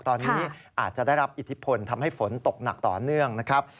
ตอนนี้อาจจะได้รับอิทธิพลทำให้ฝนตกหนักต่อเนื่องนะครับ